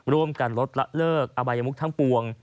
ร่วมกันลดละเลิกอบายมุกทั้งปวง